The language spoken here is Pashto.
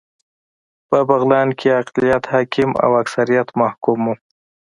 په بغلان کې اقلیت حاکم او اکثریت محکوم و